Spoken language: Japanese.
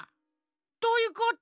どういうこと？